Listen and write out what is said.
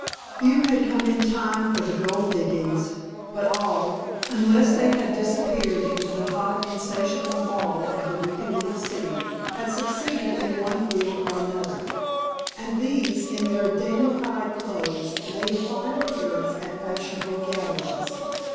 Few had come in time for the gold diggings, but all, unless they had disappeared into the hot insatiable maw of the wicked little city, had succeeded in one field or another; and these, in their dandified clothes, made a fine appearance at fashionable gatherings.